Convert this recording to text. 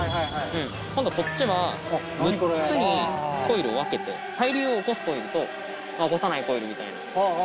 今度こっちは６つにコイルを分けて対流を起こすコイルと起こさないコイルみたいな。